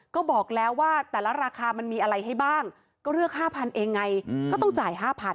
ก็บอกแล้วว่าแต่ละราคามันมีอะไรให้บ้างก็เลือก๕๐๐เองไงก็ต้องจ่าย๕๐๐